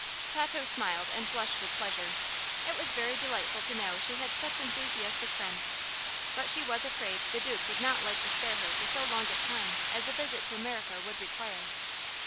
Tato smiled and blushed with pleasure. It was very delightful to know she had such enthusiastic friends. But she was afraid the Duke would not like to spare her for so long a time as a visit to America would require.